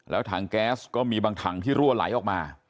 แล้วถังแก๊สก็มีบางถังที่รั่วไหลออกมา